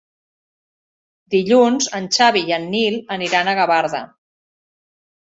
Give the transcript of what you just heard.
Dilluns en Xavi i en Nil aniran a Gavarda.